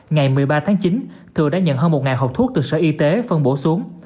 ngày một mươi ba tháng chín thừa đã nhận hơn một hộp thuốc từ sở y tế phân bổ xuống